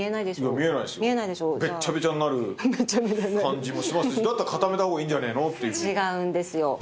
べちゃべちゃになるだったら固めた方がいいんじゃねえのっていう違うんですよ